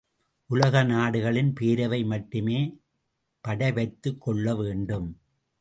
உலக நாடுகளின் பேரவை மட்டுமே படைவைத்துக் கொள்ள வேண்டும்.